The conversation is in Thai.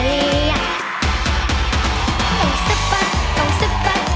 กล่องสะบัดกล่องสะบัด